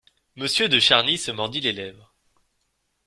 Monsieur de Charny se mordit les lèvres.